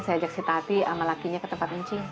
saya ajak si tati sama lakinya ke tempat rinci